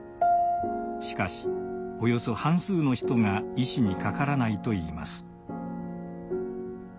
しかしおよそ半数の人が医師にかからないといいます。